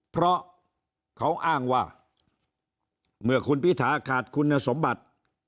เพราะเขาอ้างว่าเมื่อคุณพิธาขาดคุณสมบัติ